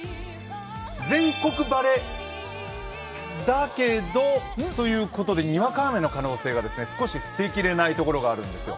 全国晴れだけどということで、にわか雨の可能性が少し捨てきれないところがあるんですよ。